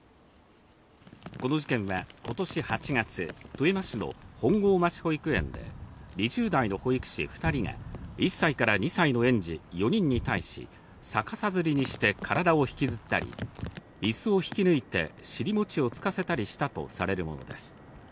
この事件は今年８月、富山市の本郷町保育園で２０代の保育士２人が１歳から２歳の園児４人に対し、逆さづりにして体を引きずったり、イスを引き抜いて尻もちをつかせたりしたとされるものです。